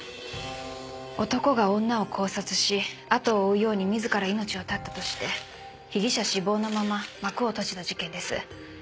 男が女を絞殺しあとを追うように自ら命を絶ったとして被疑者死亡のまま幕を閉じた事件です。